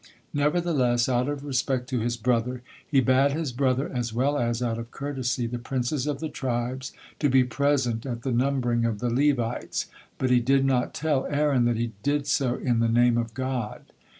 Nevertheless, out of respect to his brother, he bade his brother, as well as, out of courtesy, the princes of the tribes to be present at the numbering of the Levites, but he did not tell Aaron that he did so in the name of God.